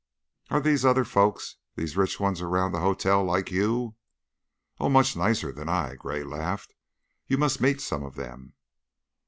"Are these other folks, these rich ones around the hotel, like you?" "Oh, much nicer than I!" Gray laughed. "You must meet some of them."